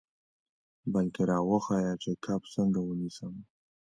بلکې را وښیه چې کب څنګه ونیسم.